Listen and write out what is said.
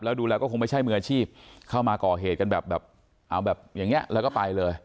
แล้วดูแล้วก็คงไม่ใช่มืออาชีพเข้ามาก่อเหตุกันแบบเอาแบบอย่างนี้แล้วก็ไปเลย